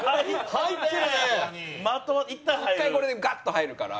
１回これでガッと入るから。